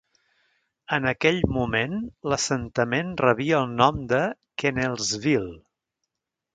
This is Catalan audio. En aquell moment, l'assentament rebia el nom de Kennelsville.